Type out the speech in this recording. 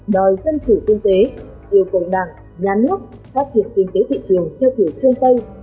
đòi dân chủ kinh tế yêu cầu đảng nhà nước phát triển kinh tế thị trường theo kiểu phương tây